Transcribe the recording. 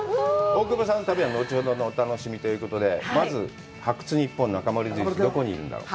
大久保さんの旅は後ほどのお楽しみということで、まず、「発掘！ニッポンなかまる印」、どこにいるんだろう？